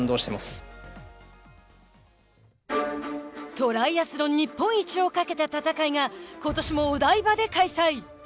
トライアスロン日本一をかけた戦いがことしも、お台場で開催。